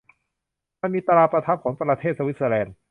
มันมีตราประทับของประเทศสวิสเซอร์แลนด์